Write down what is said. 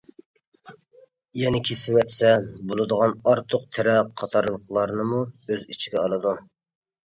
يەنە كېسىۋەتسە بولىدىغان ئارتۇق تېرە قاتارلىقلارنىمۇ ئۆز ئىچىگە ئالىدۇ.